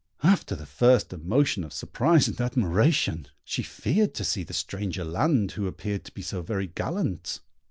After the first emotion of surprise and admiration, she feared to see the stranger land who appeared to be so very gallant.